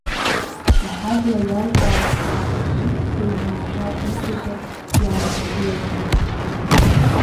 Аҳабла иалҵаанӡа ижәцәеимаақәа ишьазарц иан длыҳәеит.